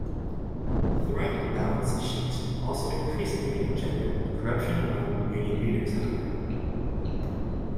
A thriving balance sheet also increasingly engendered corruption among union leaders, however.